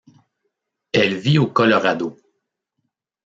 Elle vit au Colorado.